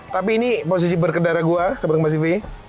tapi ini posisi berkedara gua sahabat kompas tv